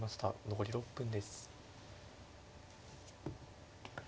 残り６分です。